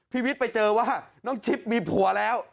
วิทย์ไปเจอว่าน้องชิปมีผัวแล้ว